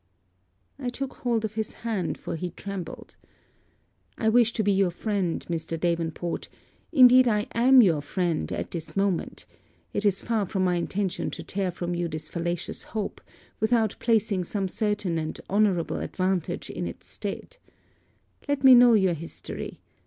I took hold of his hand, for he trembled. 'I wish to be your friend, Mr. Davenport; indeed I am your friend, at this moment; it is far from my intention to tear from you this fallacious hope, without placing some certain and honourable advantage in its stead. Let me know your history.